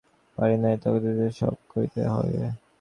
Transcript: আমি তো এখনও কিছুই করিতে পারি নাই, তোমাদিগকেই সব করিতে হইবে।